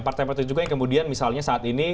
partai partai juga yang kemudian misalnya saat ini